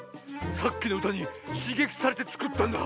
さっきのうたにしげきされてつくったんだ。